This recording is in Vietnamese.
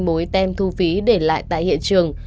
mối tem thu phí để lại tại hiện trường